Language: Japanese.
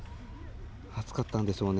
暑かったんでしょうね。